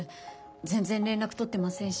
全然連絡取ってませんし。